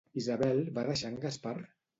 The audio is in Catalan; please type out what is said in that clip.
Isabel va deixar en Gaspar?